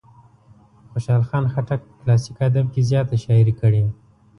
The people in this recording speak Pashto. خوشال خان خټک په کلاسیک ادب کې زیاته شاعري کړې.